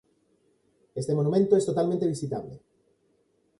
Este monumento es totalmente visitable.